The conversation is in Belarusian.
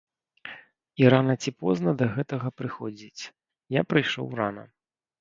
І рана ці позна да гэтага прыходзіць, я прыйшоў рана.